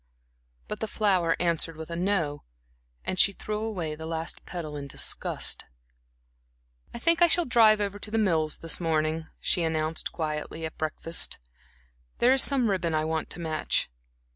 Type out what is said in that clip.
But the flower answered with a "no," and she threw away the last petal in disgust. "I think I shall drive over to The Mills this morning," she announced quietly at the breakfast table. "There is some ribbon I want to match."